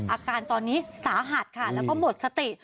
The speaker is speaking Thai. อาการตอนนี้สาหัสค่ะแล้วก็หมดสติ